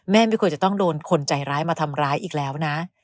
ไม่ควรจะต้องโดนคนใจร้ายมาทำร้ายอีกแล้วนะ